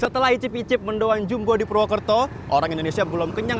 setelah icip icip mendoan jumbo di purwokerto orang indonesia belum kenyang